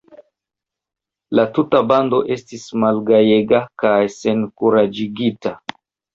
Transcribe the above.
La tuta bando estis malgajega kaj senkuraĝigita.